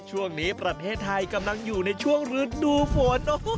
ช่วงนี้ประเทศไทยกำลังอยู่ในช่วงฤดูฝน